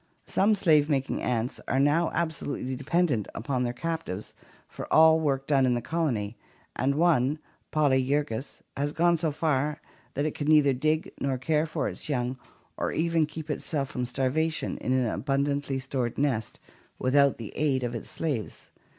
Some slave making ants are now absolutely dependent upon their captives for all work done in the colony, and one, Polyergus, has gone so far that it can neither dig nor care for its young or even keep itself from starvation in an abundantly stored nest without the aid of its slaves.